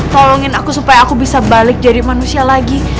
tolongin aku supaya aku bisa balik jadi manusia lagi